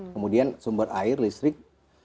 kemudian sumber air listrik